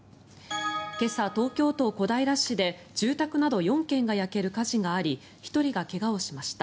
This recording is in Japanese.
今朝、東京都小平市で住宅など４件が焼ける火事があり１人が怪我をしました。